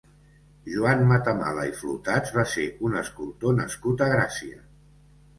Joan Matamala i Flotats va ser un escultor nascut a Gràcia.